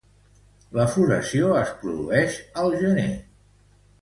La floració es produïx al gener.